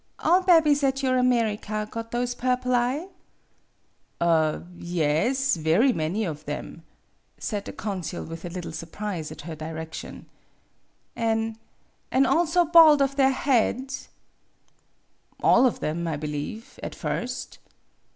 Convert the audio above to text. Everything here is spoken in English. " All bebbies at your America got those purple eye ?"" A yes, very many of them," said the consul, with a little surprise at her direction. " An' an' also bald of their head ?" "All of them, I believe, at first."